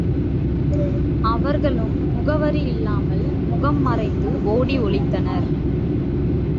அவர்களும் முகவரி இல்லாமல் முகம் மறைந்து ஒடி ஒளித்தனர்.